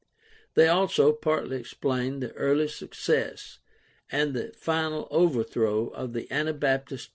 They also partly explain the early success and the final overthrow of the Anabaptist propaganda there.